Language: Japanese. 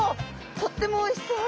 とってもおいしそうな。